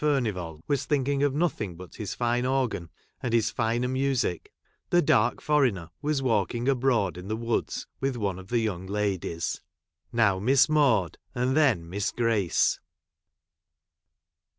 [conduced by Fi]rnivall was thinking of nothing but his fine organ, and his finer mxisic, the dark foreigner was walking abroad in the woods with one of the young ladies ; now Miss Maude, and then Miss Grace.